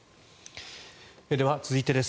では、続いてです。